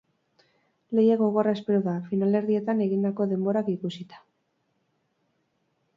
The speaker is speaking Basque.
Lehia gogorra espero da, finalerdietan egindako denborak ikusita.